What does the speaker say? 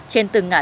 trên từng ngã